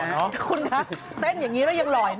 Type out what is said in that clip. คุณคะเต้นอย่างนี้แล้วยังหล่อยนะ